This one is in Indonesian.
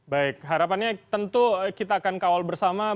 baik harapannya tentu kita akan kawal bersama